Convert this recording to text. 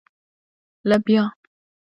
🫘 لبیا